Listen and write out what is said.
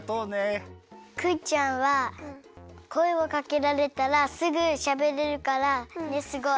クイちゃんはこえをかけられたらすぐしゃべれるからすごい。